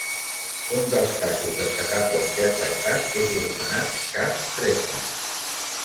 Un dels casos destacables que ha tractat és l'anomenat cas Fresno.